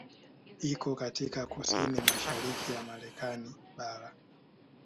Iko katika kusini mashariki ya Marekani bara.